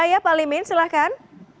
iya pak limin silahkan